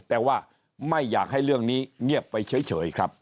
แต่ว่าไม่อยากให้เรื่องนี้เงียบไปเฉยครับ